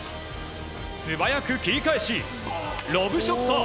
素早く切り返しロブショット。